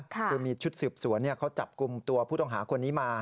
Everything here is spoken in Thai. คือมีชุดสืบสวนเขาจับกลุ่มตัวผู้ต้องหาคนนี้มา